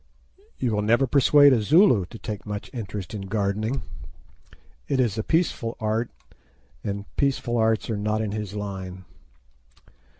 You will never persuade a Zulu to take much interest in gardening. It is a peaceful art, and peaceful arts are not in his line.